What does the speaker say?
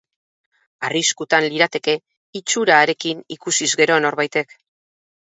Arriskutan lirateke, itxura harekin ikusiz gero norbaitek.